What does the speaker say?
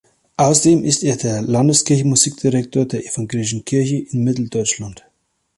Außerdem ist er der Landeskirchenmusikdirektor der Evangelischen Kirche in Mitteldeutschland.